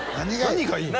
何がいいの？